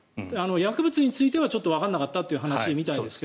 薬物についてはちょっとわからなかったという話みたいですが。